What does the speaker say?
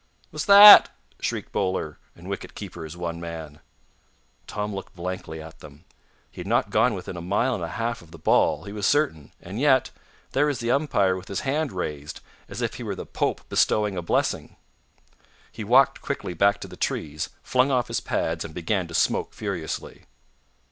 "'S THAT?" shrieked bowler and wicket keeper as one man. Tom looked blankly at them. He had not gone within a mile and a half of the ball, he was certain. And yet there was the umpire with his hand raised, as if he were the Pope bestowing a blessing. He walked quickly back to the trees, flung off his pads, and began to smoke furiously.